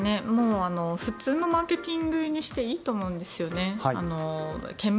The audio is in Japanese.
普通のマーケティングにしていいと思うんですね。